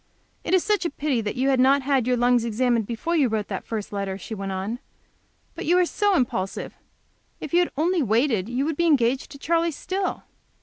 "It is such a pity you had not had your lungs examined before you wrote that first letter," she went on. "But you are so impulsive! If you had only waited you would be engaged to Charley still!"